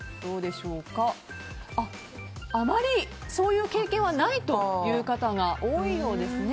あまりそういう経験はないという方が多いようですね。